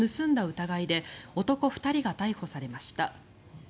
疑いで男２人が逮捕されました。